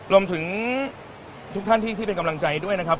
รวมถึงทุกท่านที่เป็นกำลังใจด้วยนะครับ